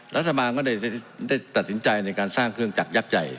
รัฐบาลก็ได้ตัดสินใจในการสร้างเครื่องจักรยักษ์ใหญ่